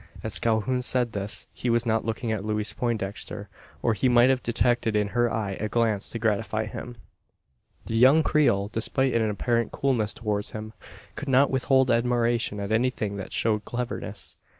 As Calhoun said this, he was not looking at Louise Poindexter or he might have detected in her eye a glance to gratify him. The young Creole, despite an apparent coolness towards him, could not withhold admiration at anything that showed cleverness.